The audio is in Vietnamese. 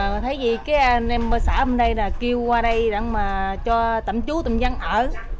rồi thấy gì cái anh em bơ sả bên đây là kêu qua đây để mà cho tạm chú tạm dân ở